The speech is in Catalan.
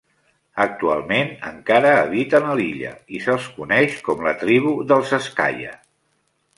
Actualment encara habiten a l'illa i se'ls coneix com la tribu dels Eskaya.